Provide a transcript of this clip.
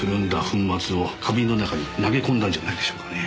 粉末を花瓶の中に投げ込んだんじゃないでしょうかね。